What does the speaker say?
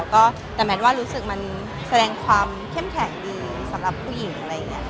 ก็แต่แมทว่ารู้สึกมันแสดงความเข้มแข็งดีสำหรับผู้หญิงอะไรอย่างนี้